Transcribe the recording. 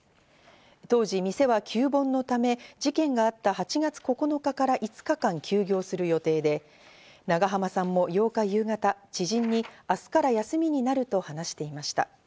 当時、店は旧盆のため事件があった８月９日から５日間休業する予定で、長濱さんも８日夕方、知人に明日から休みになると話していました。